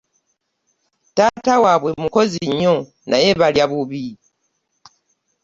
Taata waabwe mukozi nnyo naye balya bubi.